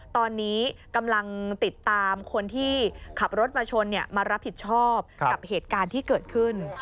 ตอนนี้กำลังติดตามคนที่ขับรถมาชนมารับผิดชอบกับเหตุการณ์ที่เกิดขึ้น